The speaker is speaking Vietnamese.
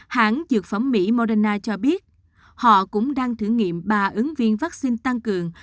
hãng dược phẩm mỹ moderna cho biết họ cũng đang thử nghiệm ba ứng viên vaccine tăng cường